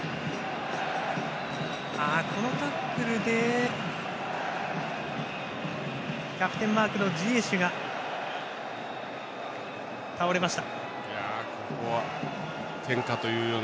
このタックルでキャプテンマークのジエシュが倒れました。